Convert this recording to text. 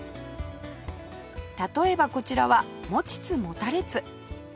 例えばこちらは「もちつもたれつ」